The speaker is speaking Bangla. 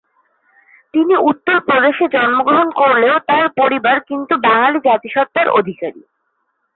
তিনি উত্তর প্রদেশে জন্মগ্রহণ করলেও তার পরিবার কিন্তু বাঙালি জাতিসত্তার অধিকারী।